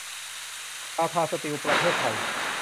ทาทา สตีล ประเทศไทย